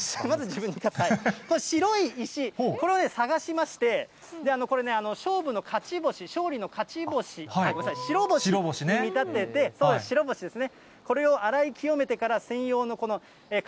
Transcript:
この白い石、これを探しまして、これね、勝負の勝ち星、勝利の勝ち星、白星に見立てて、白星ですね。